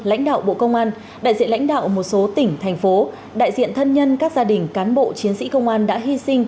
lãnh đạo bộ công an đại diện lãnh đạo một số tỉnh thành phố đại diện thân nhân các gia đình cán bộ chiến sĩ công an đã hy sinh